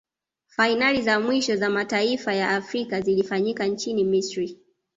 fainali za mwisho za mataifa ya afrika zilifanyika nchini misri